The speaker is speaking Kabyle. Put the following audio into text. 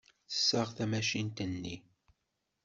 Tessaɣ tamacint-nni.